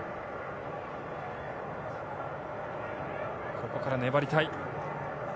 ここから粘りたい。